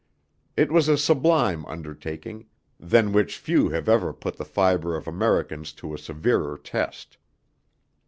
It was a sublime undertaking, than which few have ever put the fibre of Americans to a severer test.